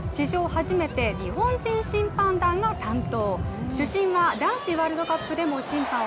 初めて日本人審判団が担当。